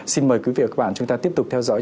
xin mời quý vị và các bạn chúng ta tiếp tục theo dõi